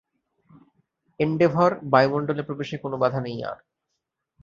Endeavour, বায়ুমন্ডলে প্রবেশে কোনও বাধা নেই আর।